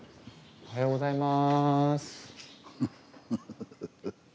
おはようございます。